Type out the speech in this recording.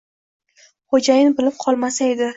Xo‘jayin bilib qolmasa edi.